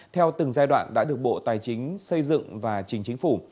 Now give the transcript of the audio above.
theo từng giai đoạn đã được bộ tài chính xây dựng và chính chính phủ